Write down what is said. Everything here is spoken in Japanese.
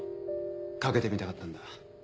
賭けてみたかったんだ。